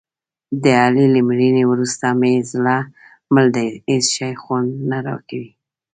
د علي له مړینې ورسته مې زړه مړ دی. هېڅ شی خوند نه راکوي.